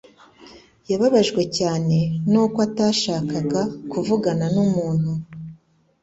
Yababajwe cyane nuko atashakaga kuvugana numuntu